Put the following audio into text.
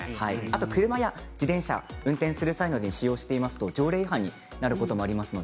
車や自転車を運転する際などに使用していると条例違反になることもあります。